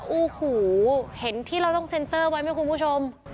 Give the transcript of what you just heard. โอ้โหเห็นที่เราต้องเซ็นเซอร์ไว้ไหมคุณผู้ชม